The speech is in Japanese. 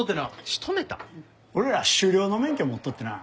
俺ら狩猟の免許持っとってな。